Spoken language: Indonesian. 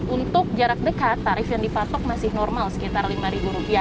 untuk jarak dekat tarif yang dipatok masih normal sekitar rp lima